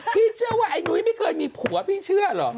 พี่เชื่อว่าไอ้นุ้ยไม่เคยมีผัวพี่เชื่อเหรอ